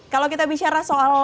kalau kita bicara soal